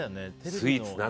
スイーツ、夏。